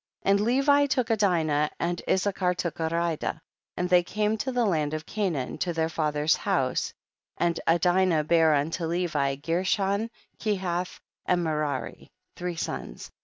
6. And Levi took Adina, and Is sachar took Aridah, and they came to the land of Canaan, to their father's house, and Adinah bare unto Levi, Gershon, Kehath and Merari ; three sons.